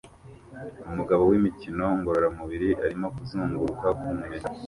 Umugabo wimikino ngororamubiri arimo kuzunguruka ku mpeta